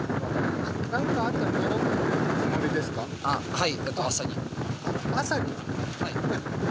はい。